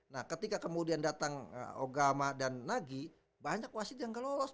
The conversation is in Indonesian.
nah ketika kemudian datang ogama dan nagi banyak wasit yang gak lolos